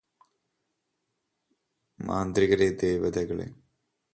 മാന്ത്രികരേ ദേവതകളേ